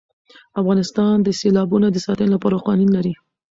افغانستان د سیلابونه د ساتنې لپاره قوانین لري.